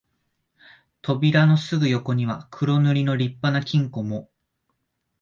扉のすぐ横には黒塗りの立派な金庫も、